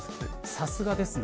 さすがですね。